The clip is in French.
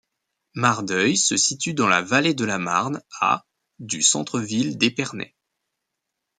Mardeuil se situe dans la Vallée de la Marne, à du centre-ville d'Épernay.